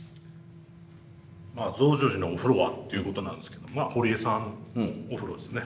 まあ増上寺のお風呂はっていうことなんですけど堀江さんのお風呂ですね。